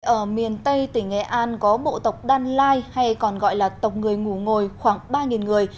ở miền tây tỉnh nghệ an có bộ tộc đan lai hay còn gọi là tộc người ngủ ngồi khoảng ba người